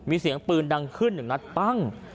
มีเสียงปืนดังขึ้น๑นัทปั้ง